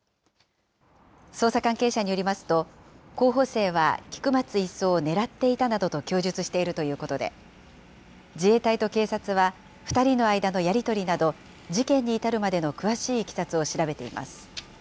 捜査関係者によりますと、候補生は菊松１曹を狙っていたなどと供述しているということで、自衛隊と警察は２人の間のやり取りなど、事件に至るまでの詳しいいきさつを調べています。